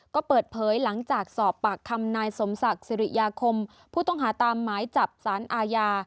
ก็เปิดเผยหลังจากสอบปากคำนายสมศักดิ์สิริยาคมผู้ต้องหาตามหมายจับสารอาญา